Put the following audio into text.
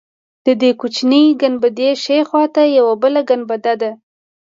د دې کوچنۍ ګنبدې ښی خوا ته یوه بله ګنبده ده.